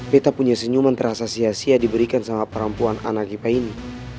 peta punya senyuman terasa sia sia diberikan sama perempuan anak kita ini